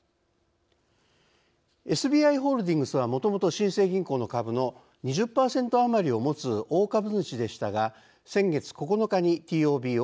ＳＢＩホールディングスはもともと新生銀行の株の２０％余りを持つ大株主でしたが先月９日にＴＯＢを発表。